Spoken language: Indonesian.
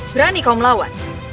berani kau melawan